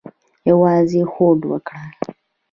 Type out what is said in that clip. یوازې هوډ وکړئ